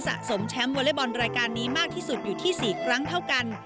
สมแชมป์วอเล็กบอลรายการนี้มากที่สุดอยู่ที่๔ครั้งเท่ากัน